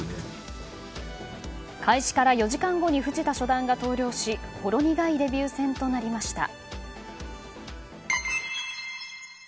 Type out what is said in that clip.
開始から４時間後に藤田初段が投了しほろ苦いデビュー戦となりました。